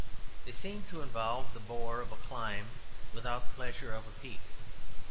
They seem to involve the bore of a climb without the pleasure of a peak.